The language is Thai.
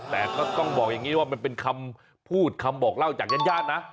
แต่ก็ต้องบอกอย่างนี้ว่ามันเป็นคำพูดคำบอกเล่าจากญาติญาตินะ